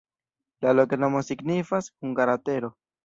La loknomo signifas: hungara-tero.